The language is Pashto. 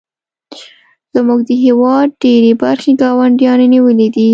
زموږ د هیواد ډیرې برخې ګاونډیانو نیولې دي